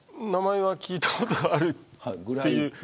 名前は聞いたことあるっていう。